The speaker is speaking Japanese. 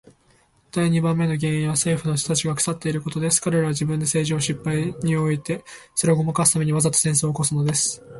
第二番目の原因は政府の人たちが腐っていることです。彼等は自分で政治に失敗しておいて、それをごまかすために、わざと戦争を起すのです。